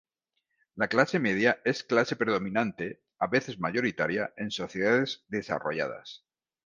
La clase media es clase predominante -a veces mayoritaria- en sociedades desarrolladas.